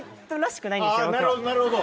なるほどなるほど。